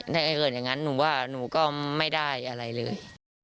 ถ้าเกิดอย่างนั้นหนูว่าหนูก็ไม่ได้อะไรเลย